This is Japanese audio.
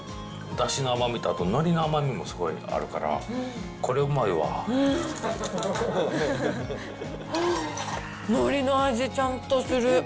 だしの甘みと、あと、のりの甘みもすごいあるから、これ、うのりの味、ちゃんとする。